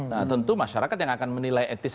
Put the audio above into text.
nah tentu masyarakat yang akan menilai etik satu